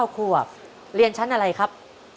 ๙ขวบเรียนชั้นอะไรครับ